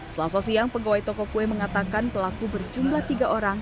selasa siang pegawai toko kue mengatakan pelaku berjumlah tiga orang